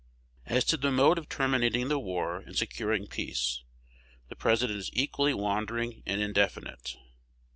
As to the mode of terminating the war and securing peace, the President is equally wandering and indefinite.